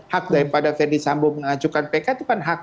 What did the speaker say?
hak daripada verdi sambo mengajukan pk itu kan hak